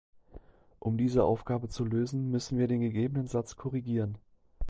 Um diese Aufgabe zu lösen, müssen wir den gegebenen Satz korrigieren.